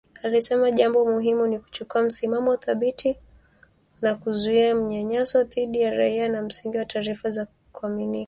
Alisema jambo muhimu ni kuchukua msimamo thabiti na kuzuia manyanyaso dhidi ya raia kwa msingi wa taarifa za kuaminika.